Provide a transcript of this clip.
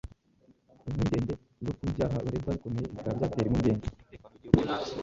Ku mpungenge zo kuba ibyaha baregwa bikomeye bikaba byatera impungenge ku mutekano w’igihugu